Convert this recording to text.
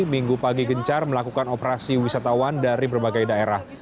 minggu pagi gencar melakukan operasi wisatawan dari berbagai daerah